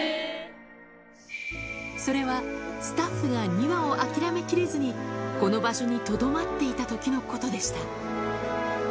それは、スタッフが２羽を諦めきれずに、この場所にとどまっていたときのことでした。